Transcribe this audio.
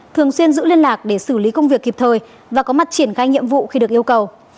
thường xuyên giữ liên lạc để xử lý công việc kịp thời và có mặt triển khai nhiệm vụ khi được yêu cầu